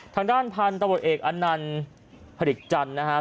ทางด้านพันธุ์ตะวดเอกอันนันพฤกจันทร์นะฮะ